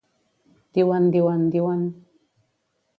Diuen, diuen, diuen...